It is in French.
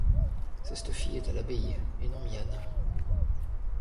Ceste fille est à l’abbaye, et non mienne.